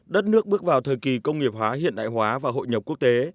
đất nước bước vào thời kỳ công nghiệp hóa hiện đại hóa và hội nhập quốc tế